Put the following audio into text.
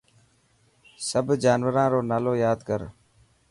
سڀ جانوران رو نالو ياد ڪر.